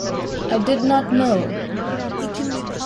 I did not know.